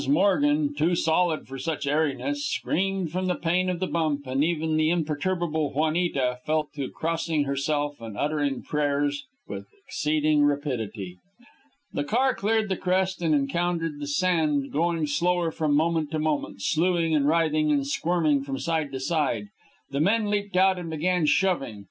Morgan, too solid for such airiness, screamed from the pain of the bump; and even the imperturbable Juanita fell to crossing herself and uttering prayers with exceeding rapidity. The car cleared the crest and encountered the sand, going slower from moment to moment, slewing and writhing and squirming from side to side. The men leaped out and began shoving.